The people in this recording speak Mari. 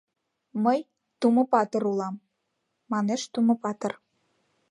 Мый Тумо-патыр улам, — манеш Тумо-патыр.